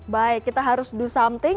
baik kita harus do something